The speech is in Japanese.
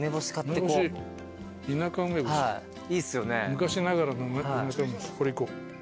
昔ながらのこれいこう。